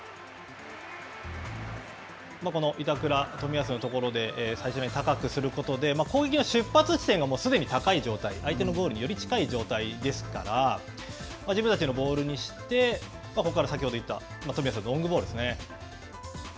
この板倉、冨安のところで、最終ラインを高くすることで、攻撃の出発地点が、すでに高い状態、相手のゴールにより近い状態ですから、自分たちのボールにして、ここから先ほど言った冨安のロングボールですね。